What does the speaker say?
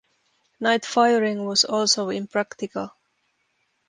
Night firing was also impractical.